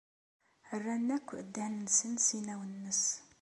Rran akk ddehn-nsen s inaw-nnes.